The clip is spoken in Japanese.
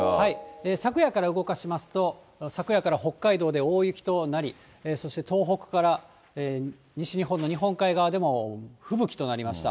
昨夜から動かしますと、昨夜から北海道で大雪となり、そして東北から西日本の日本海側でも吹雪となりました。